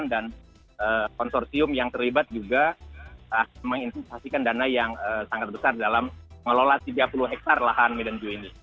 dan konsumtium yang terlibat juga menginvestasikan dana yang sangat besar dalam mengelola tiga puluh hektare lahan medan zoo ini